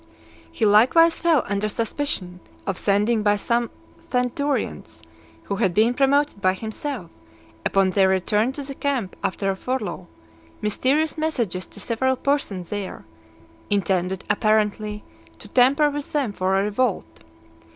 He likewise fell under suspicion of sending by some centurions who had been promoted by himself, upon their return to the camp after a furlough, mysterious messages to several persons there, intended, apparently, to (202) tamper with them for a revolt.